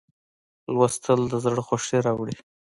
لوستل د زړه خوښي راوړي.